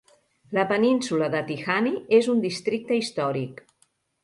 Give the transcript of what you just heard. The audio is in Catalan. La península de Tihany és un districte històric.